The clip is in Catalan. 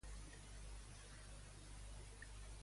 Què pensa de la col·laboració de Valls?